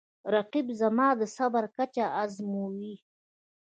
رقیب زما د صبر کچه ازموي